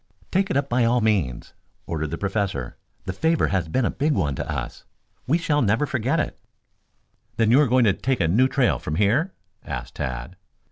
"Take it up, by all means," ordered the Professor. "The favor has been a big one to us. We shall never forget it." "Then you are going to take a new trail from here?" asked Tad.